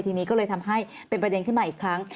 ทีนี้ก็เลยทำให้เป็นประเด็นขึ้นมาอีกครั้ง